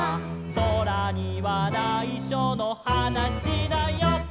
「そらにはないしょのはなしだよ」